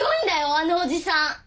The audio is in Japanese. あのおじさん。